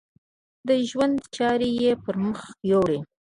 د ژوند چارې یې پر مخ یوړې.